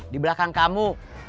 di belakang kamu